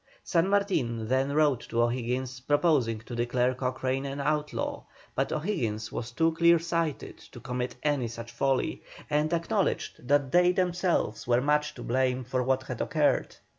San Martin then wrote to O'Higgins, proposing to declare Cochrane an outlaw, but O'Higgins was too clear sighted to commit any such folly, and acknowledged that they themselves were much to blame for what had occurred.